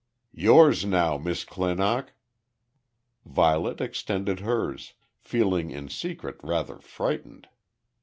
"Yours now, Miss Clinock." Violet extended hers, feeling in secret rather frightened.